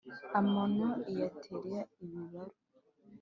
Amano iyatera ibibaru